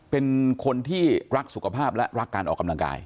เป็นคนที่รักสุขภาพและรักการออกกำลังกาย